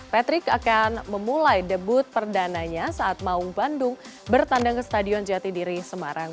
patrick akan memulai debut perdananya saat mau bandung bertandang ke stadion jatidiri semarang